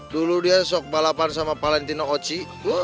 dulu dia sok balapan sama valentino ochi